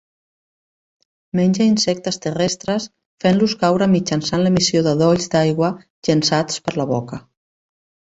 Menja insectes terrestres fent-los caure mitjançant l'emissió de dolls d'aigua llençats per la boca.